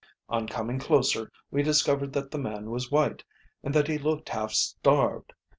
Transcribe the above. "On coming closer, we discovered that the man was white and that he looked half starved.